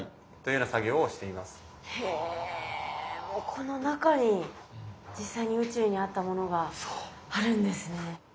ここの中に実際に宇宙にあったものがあるんですね。